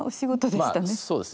まあそうですね。